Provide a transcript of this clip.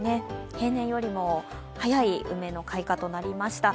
平年よりも早い梅の開花となりました。